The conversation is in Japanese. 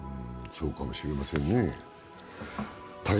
そうかもしれませんね。